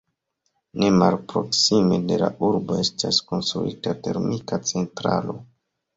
Ne malproksime de la urbo estas konstruita termika centralo.